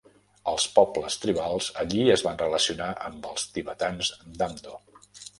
Els pobles tribals allí es van relacionar amb els tibetans d'Amdo.